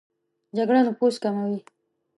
جګړه نفوس کموي